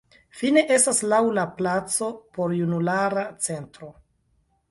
Fine estas laŭ la placo Porjunulara Centro.